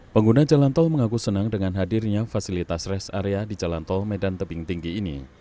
pengguna jalan tol mengaku senang dengan hadirnya fasilitas rest area di jalan tol medan tebing tinggi ini